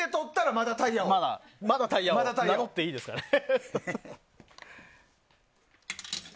まだ、タイヤ王を名乗っていいですかね。